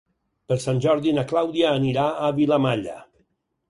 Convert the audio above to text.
Per Sant Jordi na Clàudia anirà a Vilamalla.